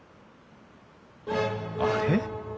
あれ？